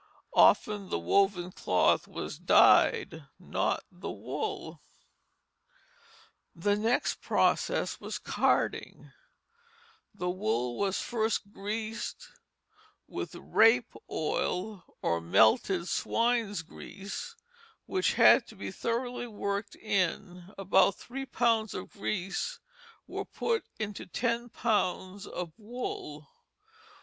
Often the woven cloth was dyed, not the wool. The next process was carding; the wool was first greased with rape oil or "melted swine's grease," which had to be thoroughly worked in; about three pounds of grease were put into ten pounds of wool.